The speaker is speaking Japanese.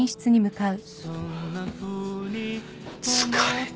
疲れた。